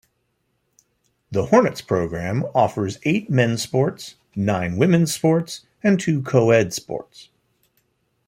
The Hornets program offers eight men's sports, nine women's sports, and two co-ed sports.